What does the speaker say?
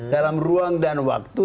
dalam ruang dan waktu